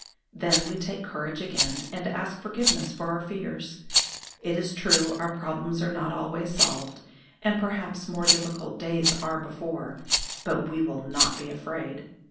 Then we take courage again, and ask forgiveness for our fears. It is true our problems are not always solved, and perhaps more difficult days are before; but we will not be afraid.